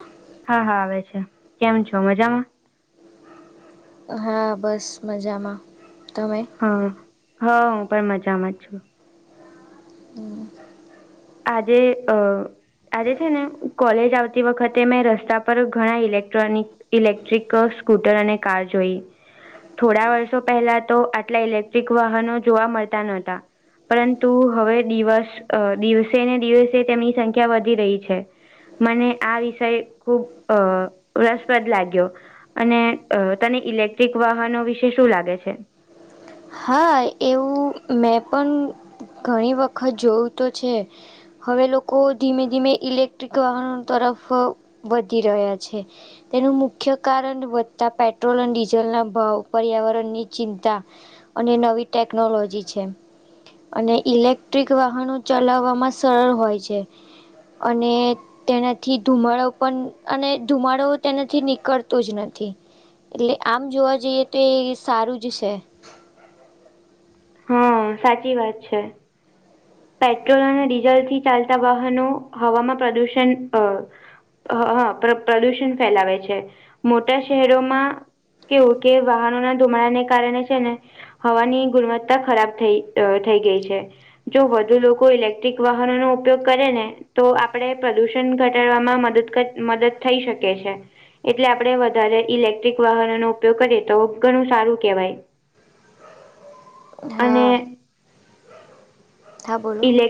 હ હા હા આવે છે કેમ છો મજામાં હા બસ મજામાં તમે હા હા હું પણ મજામાં છું. હમ આજે અ આજે છે ને કોલેજ આવતી વખતે મેં રસ્તા પર ઘણા ઇલેક્ટ્રોનિક ઇલેક્ટ્રિક સ્કૂટર અને કાર જોઈ થોડા વર્ષો પહેલા તો આટલા ઇલેક્ટ્રિક વાહનો જોવા મળતા નહતા. પરંતુ હવે દિવસ દિવસે ને દિવસે તેમની સંખ્યા વધી રહી છે. મને આ વિષય ખુબ અ રસપ્રદ લાગ્યો અને તને ઇલેક્ટ્રિક વાહનો વિશે શું લાગે છે. હા એવું મેં પણ ઘણી વખત જોયું તો છે. હવે લોકો ધીમે ધીમે ઇલેક્ટ્રિક વાહનો તરફ વધી રહ્યા છે. તેનું મુખ્ય કારણ વધતા પેટ્રોલ અને ડીઝલના ભાવ પર્યાવરણની ચિંતા અને નવી ટેકનોલોજી છે. અને ઇલેક્ટ્રિક વાહનો ચલાવવામાં સરળ હોય છે અને તેનાથી ધુમાડો પણ અને ધુમાડો તેનાથી નીકળતો જ નથી. એટલે આમ જોવા જઈએ તો એ સારું જ છે. હા સાચી વાત છે. પેટ્રોલ અને ડીઝલથી ચાલતા વાહનો હવામાં પ્રદુષણ અ હ પ્રદુષણ ફેલાવે છે મોટા શહેરોમાં કેવું કે વાહનો ના ધુમડા ને કારણે છે ને હવાની ગુણવત્તા ખરાબ થઈ થઈ ગઈ છે. જો વધુ લોકો ઇલેક્ટ્રિક વાહનો નો ઉપયોગ કરે ને તો આપડે પ્રદુષણ ઘટાડવામાં મદદ મદદ થઈ શકે છે. એટલે આપડણે વધારે ઇલેક્ટ્રિક વાહનોનોો ઉપયોગ કરીએ તો ઘણું સારું કેહેવાય. હા હા બોલો. એલલે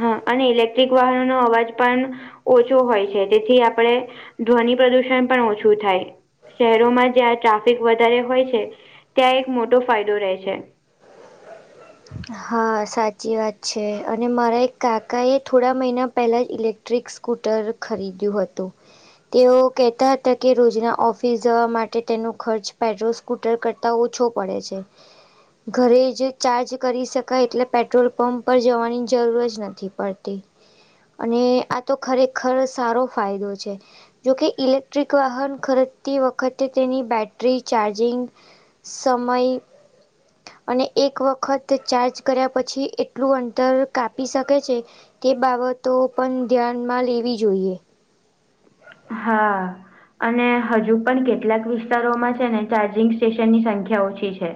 હા અને ઇલેક્ટ્રિક વાહનોનોો અવાજ પણ ઓછો હોય છે તેથી આપણે ધ્વનિ પ્રદુષણ પણ ઓછું થાય શહેરોમાં જ્યાં ટ્રાફિક વધારે હોય છે ત્યાં એક મોટો ફાયદો રહે છે. હાા હા સાચી વાત છે અને મારા એક કાકાએ થોડા મહિના પહેલાં જ ઇલેક્ટ્રિક્સ સ્કૂટર ખરીદ્યું હતું તેઓ કહેતા હતા કે રોજના ઓફિસ જવા માટે તેનો ખર્ચ પેટ્રો સ્કૂટર કરતા ઓછો પડે છે. ઘરે જે ચાર્જ કરી શ કર એટલે પેટ્રોલ પંપ પર જવાની જરૂર જ નથી પડતી. અને આ તો ખરેખર સારો ફાયદો છે. જોકે ઇલેક્ટ્રિક વાહન ખરીદતી વખતે તેની બેટરી ચાર્જિંગ સમય અને એક વખત ચાર્જ કર્યા પછી એટલું અંતર કાપી શકે છે તે બાબતો પણ ધ્યાનમાં લેવી જોઈએ. હા. અને હજુ પણ કેટલાક વિસ્તારોમાં છે ને ચાર્જિંગ સ્ટેશનની સંખ્યા ઓછી છે.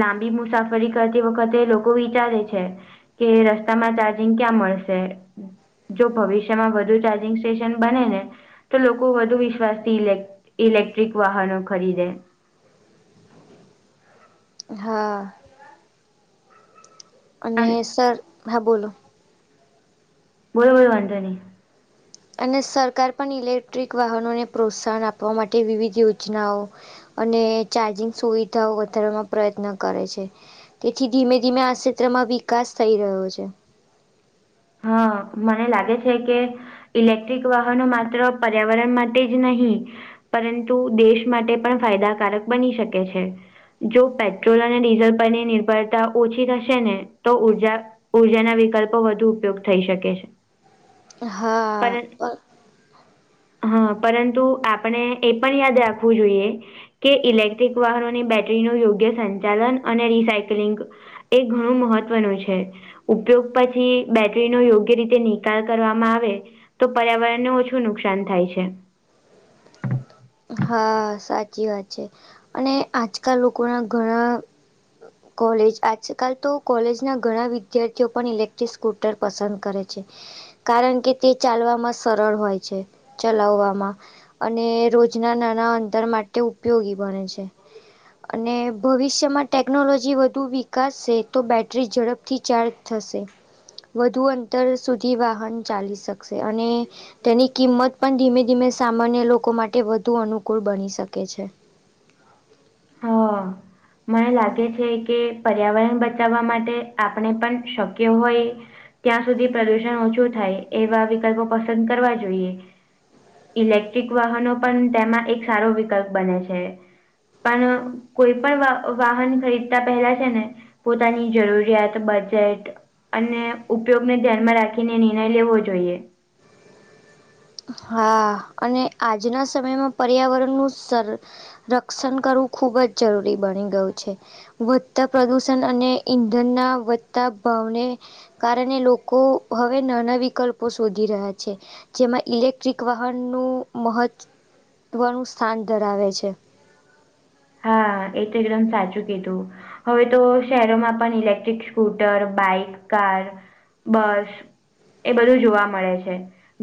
લાંબી મુસાફરી કરતી વખતે લોકો વિચારે છે કે રસ્તામાં ચાર્જિંગ ક્યાં મળશે જો ભવિષ્યમાં વધુ ચાર્જિંગ સ્ટેશન બને ને તો લોકો વધુ વિશ્વાસ થી ઇલેક-ઇલેક્ટ્રિક વાહનો ખરીદે. હા. અને સર હા બોલો બોલો બોલો વાંધો નહીં. અને સરકાર પણ ઇલેક્ટ્રિક વાહનોને પ્રોત્સાહન આપવા માટે વિવિધ યોજનાઓ અને ચાર્જિંગ સુવિધાઓ વધારવામાં પ્રયત્ન કરે છે. તેથી ધીમે ધીમે આ ક્ષેત્રમાં વિકાસ થઈ રહ્યો છે. હા, મને લાગે છે કે ઇલેક્ટ્રિક વાહનો માત્ર પર્યાવરણ માટે જ નહીં પરંતુ દેશ માટે પણ ફાયદાકારક બની શકે છે. જો પેટ્રોલ અને ડીઝલ પરની નિર્ભરતા ઓછી થશે ને તો ઉર્જા ઉર્જાના વિકલ્પો વધુ ઉપયોગ થઈ શકે છે. હા. પરં હા પરંતુ આપણે એ પણ યાદ રાખવું જોઈએ કે ઇલેક્ટ્રિક વાહનોની બેટરી નો યોગ્ય સંચાલન અને રિસાયક્લિંગ એ ઘણું મહત્વનું છે. ઉપયોગ પછી બેટરીનો યોગ્ય રીતે નિકાલ કરવામાં આવે તો પર્યાવરણને ઓછું નુકસાન થાય છે. હા, સાચી વાત છે. અને આજકાલ લોકો ના ઘણા કોલેજ આજકાલ તો કોલેજ ના ઘણા વિદ્યાર્થીઓ પણ ઇલેક્ટ્રિક સ્કૂટર પસંદ કરે છે. કારણ કે તે ચાલવામાં સરળ હોય છે ચલાવવામાં અને રોજ જ ના નાના અંતર માટે ઉપયોગી બને છે. અને ભવિષ્યમાં ટેકનોલોજી વધુ વિકાસશે તો બેટરી ઝડપથી ચાર્જ થશે વધુ અંતર સુધી વાહન ચાલી શકશે અને તેની કિંમત પણ ધીમે ધીમે સામાન્ય લોકો માટે વધુ અનુકૂળ બની શકે છે. હા. મને લાગે છે કે પર્યાવરણ બચાવવા માટે આપણે પણ શક્ય હોય ત્યાં સુધી પ્રદુષણ ઓછું થાય એવા વિકલ્પો પસંદ કરવા જોઈએ. ઇલેક્ટ્રિક વાહનો પણ તેમાં એક સારો વિકલ્પ બને છે. પણ કોઈ પણ વ-વાહન ખરીદતા પહેલા છે ને પોતાની જરૂરિયાત બજેટ અને ઉપયોગને ધ્યાન માં રાખીને નિર્ણય લેવો જોઈએ. હા અને આજના સમયમાં પર્યાવરણનું સર રક્ષણ કરવું ખુબ જ જરૂરી બની ગયું છે. વધતા પ્રદુષણ અને ઈંધણના વધતા ભાવને કારણે લોકો હવે નાના વિકલ્પો શોધી રહ્યા છે. જેમાં ઇલેક ટેક્ટ્રિક વાહનનું મહત્ત્વનું સ્થાન ધરાવે છે. હા એ તો એકદમ સાચું કીધું હવે તો શહેરોમાં પણ electric scooter bike car bus એ બધું જોવા મળે છે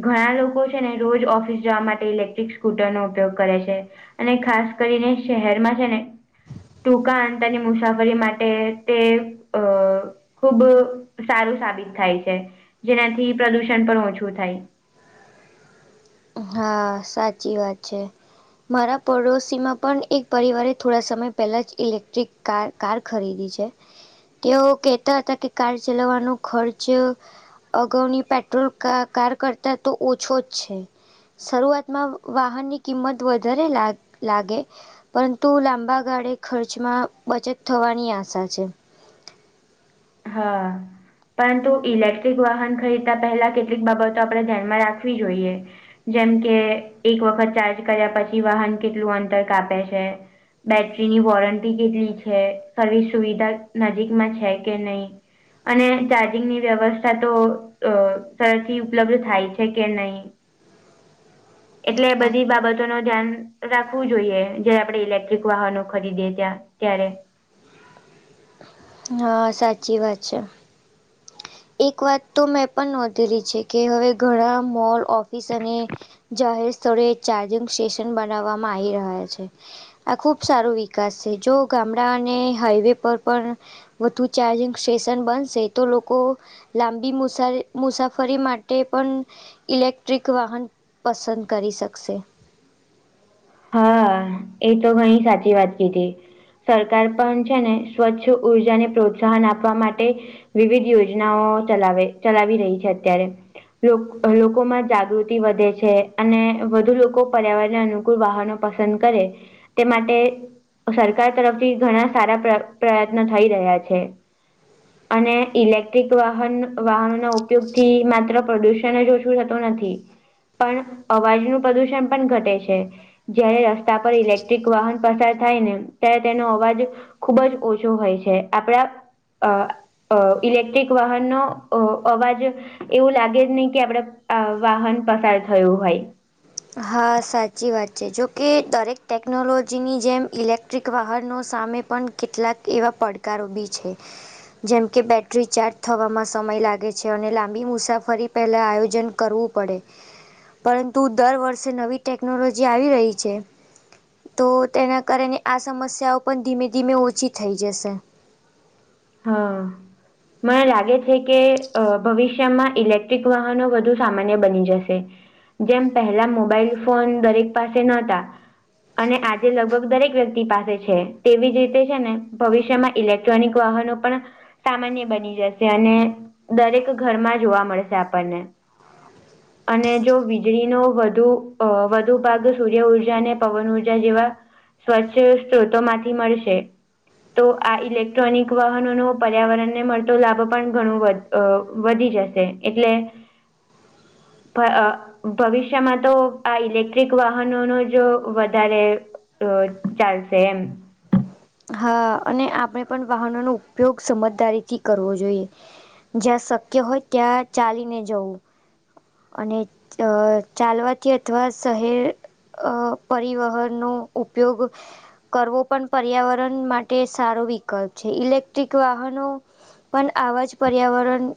ઘણા લોકો છે ને રોજ ઓફિસ જવા માટે ઇલેક્ટ્રિક સ્કૂટરનો ઉપયોગ કરે છે અને ખાસ કરીને શહેરમાં છે ને ટૂંકા અ તેની મુસાફરી માટે તે અ ખુબ સારું સાબિત થાય છે જેનાથી પ્રદુષણ પણ ઓછું થાય હા સાચી વાત છે મારા પડોશી માં પણ એક પરિવારે થોડા સમય પહેલા જ ઇલેક્ટ્રિક કાર ખરીદી છે તેઓ કેતા હતા કે કાર ચલાવવાનો ખર્ચ અગાઉની પેટ્રોલ કાર કરતા તો ઓછો જ છે શરૂઆતમાં વાહનની કિંમત વધારે લ લાગે પરંતુ લાંબા ગાળે ખર્ચમાં બચત થવાની આશા છે હા પરંતુ ઇલેક્ટ્રિક વાહન ખરીદતા પહેલા કેટલીક બાબતો આપણે ધ્યાનમાં રાખવી જોઈએ જેમ કે એક વખત ચાર્જ કર્યા પછી વાહન કેટલું અંતર કાપે છે બેટરીની વોરંટી કેટલી છે સર્વિસ સુવિધા નજીકમાં છે કે નહી અને ચાર્જિંગની વ્યવસ્થા તો સરળથી ઉપલબ્ધ થાય છે કે નહીં એટલે બધી બાબતો નો ધ્યાન રાખવું જોઈએ જયારે આપડણે ઇલેક્ટ્રિક વાહનો ખરીદીએ ત્યાં ત્યારે હા સાચી વાત છે એક વાત તો મેં પણ નોંધેલી છે કે હવે ઘણા મોલ ઓફિસ અને જાહેર સ્થળે એક ચાર્જિંગ સ્ટેશન બનાવવામાં આવી રહ્યા છે આ ખૂબ સારો વિકાસ છે જો ગામડા અને હાઈવે પર પણ વધુ ચાર્જિંગ સ્ટેશન બનશે તો લોકો લાંબી મુસા મુસાફરી માટે પણ ઇલેક્ટ્રિક વાહન પસંદ કરી શકશે હા એ તો ઘણી સાચી વાત કીધી સરકાર પણ છે ને સ્વચ્છ ઉર્જાને પ્રોત્સાહન આપવા માટે વિવિધ યોજનાઓ ચલાવે ચલાવી રહી છે અત્યારે લોકોમાં જાગૃતિ વધે છે અને વધુ લોકો પર્યાવરણને અનુ વાહનો પસંદ કરે તે માટે સરકાર તરફથી ઘણા સારા પ્ર પ્રયત્નો થઈ રહ્યા છે અને ઇલેક્ટ્રિક વાહન વાહનો ના ઉપયોગ થી માત્ર પ્રદુષણ જ ઓછું થતું નથી પણ અવાજનું પ્રદુષણ પણ ઘટે છે જયારે રસ્તા પર ઇલેક્ટ્રિક વાહન પસાર થાય ને ત્યારે તેનો અવાજ ખુબ જ ઓછો હોય છે આપણા અ ઇલેક્ટ્રિક વાહનનો અ અવાજ એવું લાગે જ નહી કે આપડે વાહન પસાર થયું હોય હા સાચી વાત છે જોકે દરેક ટેકનોલોજીની જેમ ઇલેક્ટ્રિક વાહનો સામે પણ કેટલાક એવા પડકારો બી છે જેમકે બેટરી ચાર્જ થવામાં સમય લાગે છે અને લાંબી મુસાફરી પહેલા આયોજન કરવું પડે પરંતુ દર વર્ષે પાસે નવી ટેકનોલોજી આવી રહી છે તો તેના કારણે આ સમસ્યાઓ પણ ધીમે ધીમે ઓછી થઈ જશે હા મને લાગે છે કે ભવિષ્યમાં ઇલેક્ટ્રિક વાહનો વધુ સામાન્ય બની જશે જેમ પહેલા મોબાઈલ ફોન દરેક પાસે ન હતા અને આજે લગભગ દરેક વ્યક્તિ પાસે છે તેવી જ રીતે છે ને ભવિષ્યમાં ઇલેક્ટ્રોનિક વાહનો પણ સામાન્ય બની જશે અને દરેક ઘરમાં જોવા મળશે આપણને [unintelligible] અને જો વીજળીનો વધુ વધુ ભાગ સૂર્ય ઉર્જા અને પવન ઉર્જા જેવા સ્વચ્છ સ્ત્રોતો માંથી મળશે તો આ ઇલેક ઈલેક્ટ્રોનિક વાહનોનો પર્યાવરણ ને મળતો લાભ પણ ઘણું વધી જશે એટલે પણ અ ભવિષ્યમાં તો આ ઇલેક્ટ્રિક વાહનો ન જો વધારે અ ચાલશે એમ હા, અને આપણે પણ વાહનોનો ઉપયોગ સમજદારીથી કરવો જોઈએ જ્યાં શક્ય હોય ત્યાં ચાલીને જવું અને ચાલવાથી અથવા શહેર અ પરિવહનનો ઉપયોગ કરવો પણ પર્યાવરણ માટે સારો વિકલ્પ છે, ઇલેક્ટ્રિક વાહનો પણ આવાજ પર્યાવરણ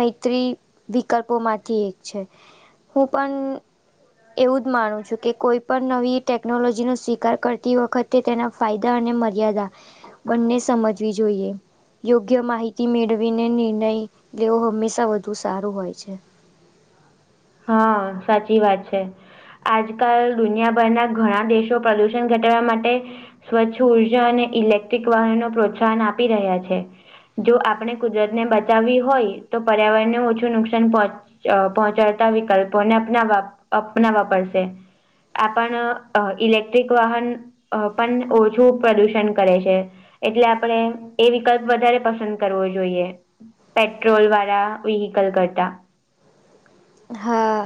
અ ત્રી, વિકલ્પોમાંથી એક છે હું પણ એવું જ માનું છું કે કોઈ પણ નવી ટેકનોલોજીનો સ્વીકાર કરતી વખત તે તેના ફાયદા અને મર્યાદા બંને સમજવી જોઈએ યોગ્ય માહિતી મેળવીને નિર્ણય લેવો હંમેશા તા વધુ સારું હોય છે હા, સાચી વાત છે આજકાલ દુનિયાભરના ઘણા દેશો પ્રદુષણ ઘટાડવા માટે સ્વચ્છ ઉર્જા અને ઇલેક્ટ્રિક વાહનો પ્રોત્સાહન આપી રહ્યા છે જો આપણે કુદરત ને બચાવવી હોય તો પર્યાવરણ ને ઓછું નુકસાન પહોચ પહોંચાડતા વિકલ્પોને અપનાવા અપનાવા પડશે આ પણ ઇલેક્ટ્રિક વાહન અ પણ ઓછું પ્રદુષણ કરે છે એટલે આપણેે એ વિકલ્પ વધારે પસંદ કરવો જોઈએ પેટ્રોલ વાળા વ્હીકલ કરતા હા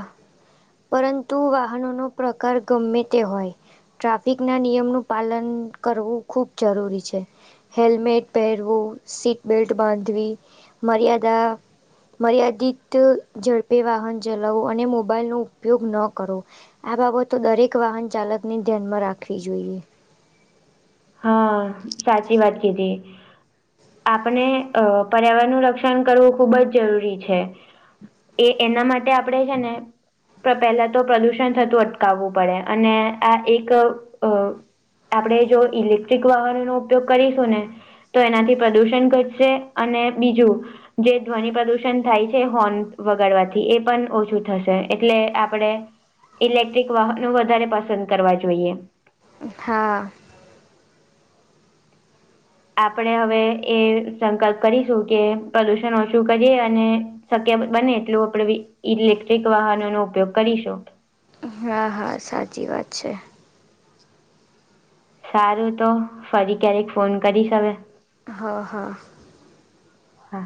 પરંતુ વાહનો નો પ્રકાર ગમે તે હોય ટ્રાફિક ના નિયમનું પાલન કરવું ખૂબ જરૂરી છે હેલ્મેટ પહેરવું, સીટબલ્ટ બાંધવી, મર્યાદા મર્યાદિત ઝડપે વાહન ચલાવો અને મોબાઈલનું ઉપયોગ ન કરો આ બાબતો દરેક વાહન ચાલકને ધ્યાનમાં રાખવી જોઈએ હા, સાચી વાત કીધી આપણે અ પર્યાવરણનું રક્ષણ કરવું ખૂબ જ જરૂરી છે એ એના માટે આપડે છે ને પહેલા તો પ્રદુષણ થતું અટકાવવું પડે અને આ એક અ આપણેે જો ઇલેક્ટ્રિક વાહનો નો ઉપયોગ કરીશું ને તો એનાથી પ્રદુષણ ઘટશે અને બીજું જે ધ્વનિ પ્રદૂષણ થાય છે હોર્ન વગાડવાથી એ પણ ઓછું થશે એટલે આપણેે ઇલેક્ટ્રિક વાહનો વધારે પસંદ કરવા જોઈએ હા આપણેે હવે એ સંકલ્પ કરીશું કે પ્રદુષણ ઓછું કરીએ અને શક્ય બને એટલું આપડે ઇલેક્ટ્રિક વાહનો નો ઉપયોગ કરીશું હા, હા, સાચી વાત છે સારું તો, ફરી ક્યારેક ફોન કરીશ હવે હા, હા હા